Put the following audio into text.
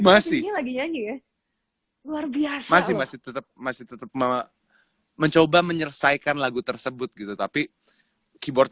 ya masih masih masih tetep masih tetep mencoba menyelesaikan lagu tersebut gitu tapi keyboard